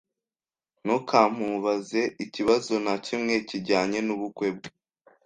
Ntukamubaze ikibazo na kimwe kijyanye nubukwe bwe